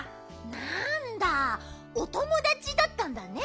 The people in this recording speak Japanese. なんだおともだちだったんだね。